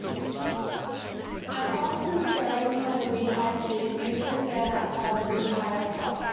A Sarsen stone from the Beehive Pit used to stand outside The Beehive pub.